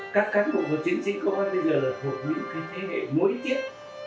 các cán bộ của chiến sĩ công an bây giờ là thuộc những thế hệ mối tiếp